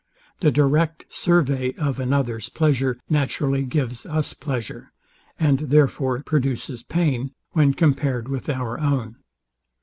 THE DIRECT SURVEY OF ANOTHER'S PLEASURE NATURALLY GIVES US PLEASURE; AND THEREFORE PRODUCES PAIN, WHEN COMPARED WITH OUR OWN.